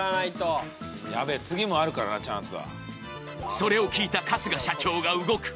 それを聞いたかすが社長が動く。